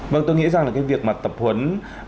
vâng tôi nghĩ rằng là cái việc mà tập huấn